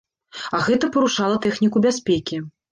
А гэта парушала тэхніку бяспекі.